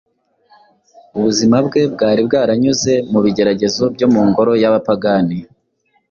Ubuzima bwe bwari bwaranyuze mu bigeragezo byo mu ngoro y’abapagani,